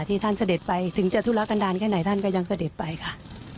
ท่านเสด็จไปถึงจะธุระกันดาลแค่ไหนท่านก็ยังเสด็จไปค่ะ